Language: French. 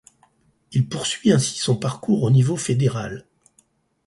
Il poursuit ainsi son parcours au niveau fédéral.